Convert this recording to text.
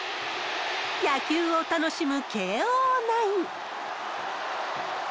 野球を楽しむ慶応ナイン。